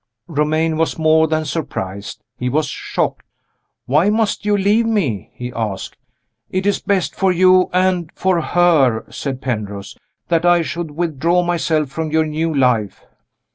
Romayne was more than surprised, he was shocked. "Why must you leave me?" he asked. "It is best for you and for her," said Penrose, "that I should withdraw myself from your new life."